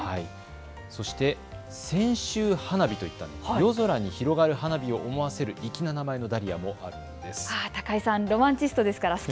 そして千秋花火といった夜空に広がる花火を思わせる粋な名前のダリアもあります。